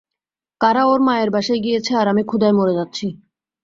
কারা ওর মায়ের বাসায় গিয়েছে আর আমি ক্ষুধায় মরে যাচ্ছি।